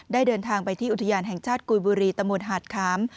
เดินทางไปที่อุทยานแห่งชาติกุยบุรีตำบลหาดค้าม